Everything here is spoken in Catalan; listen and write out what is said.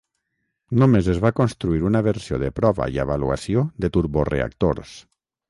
Només es va construir una versió de prova i avaluació de turboreactors.